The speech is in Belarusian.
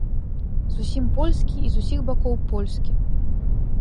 Зусім польскі і з усіх бакоў польскі.